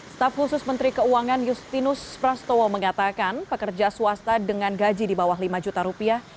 staf khusus menteri keuangan justinus prastowo mengatakan pekerja swasta dengan gaji di bawah lima juta rupiah